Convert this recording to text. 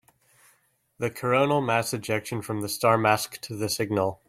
The coronal mass ejection from the star masked the signal.